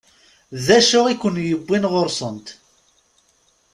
D acu i ken-yewwin ɣur-sent?